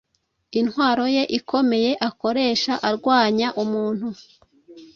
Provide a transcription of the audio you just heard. Intwaro ye ikomeye akoresha arwanya umuntu